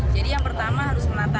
jadi yang pertama harus menata